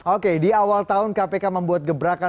oke di awal tahun kpk membuat gebrakan